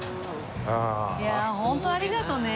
いやあ本当ありがとうね。